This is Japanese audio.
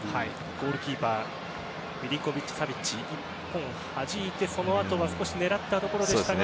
ゴールキーパーミリンコヴィッチ・サヴィッチが１本はじいてそのあとは少し狙ったところでしたが。